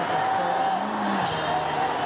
โอ้โอ้โอ้